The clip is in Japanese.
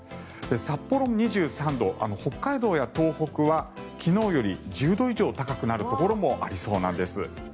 札幌、２３度北海道や東北は昨日より１０度以上高くなるところもありそうなんです。